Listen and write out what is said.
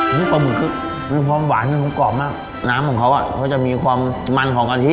นี่ปลาหมึกมีความหวานนี่โกรษมากน้ำของเขาก็จะมีความมันของะ